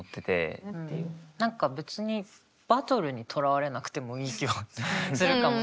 何か別にバトルにとらわれなくてもいい気はするかもしれない。